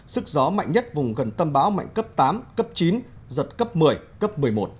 sức gió mạnh nhất vùng gần tâm bão mạnh cấp tám cấp chín giật cấp một mươi cấp một mươi một